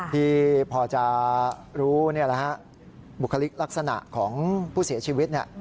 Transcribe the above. ที่พอจะรู้บุคลิกลักษณะของผู้เสียชีวิต